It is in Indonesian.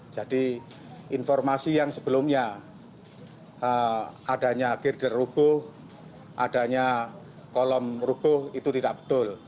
jadi informasi yang sebelumnya adanya gerder rubuh adanya kolom rubuh itu tidak betul